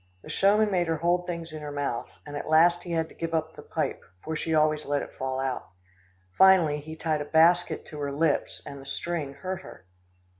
The showman made her hold things in her mouth, and at last he had to give up the pipe, for she always let it fall out. Finally he tied a basket to her lips, and the string hurt her.